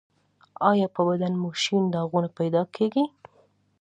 ایا په بدن مو شین داغونه پیدا کیږي؟